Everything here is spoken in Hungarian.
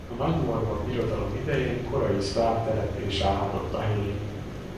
A Nagymorva Birodalom idején korai szláv település állhatott a helyén.